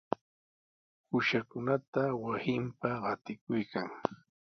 Uushankunata wasinpa qatikuykan.